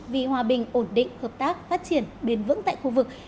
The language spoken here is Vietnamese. vì hòa bình ổn định hợp tác phát triển bền vững tại khu vực